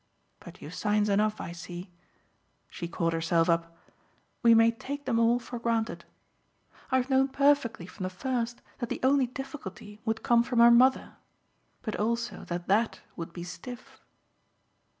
But you've signs enough, I see" she caught herself up: "we may take them all for granted. I've known perfectly from the first that the only difficulty would come from her mother but also that that would be stiff."